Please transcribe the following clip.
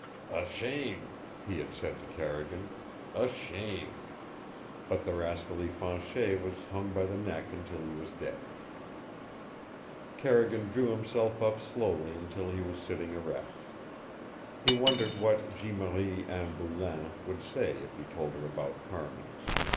"A shame!" he had said to Carrigan. "A shame!" But the rascally Fanchet was hung by the neck until he was dead. Carrigan drew himself up slowly until he was sitting erect. He wondered what Jeanne Marie Anne Boulain would say if he told her about Carmin.